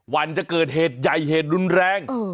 วันจะเกิดเหตุใหญ่เหตุรุนแรง